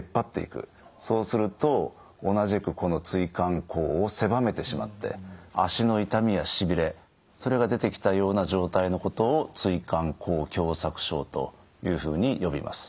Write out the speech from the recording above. そうすると同じくこの椎間孔を狭めてしまって脚の痛みやしびれそれが出てきたような状態のことを椎間孔狭窄症というふうに呼びます。